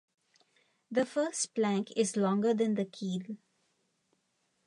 The first plank is longer than the keel.